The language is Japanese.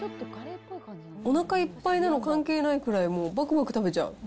おなかいっぱいなの関係ないくらい、もうばくばく食べちゃう。